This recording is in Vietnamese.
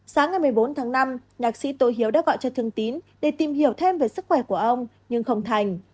sáng ngày một mươi bốn tháng năm nhạc sĩ tô hiếu đã gọi cho thương tín để tìm hiểu thêm về sức khỏe của ông nhưng không thành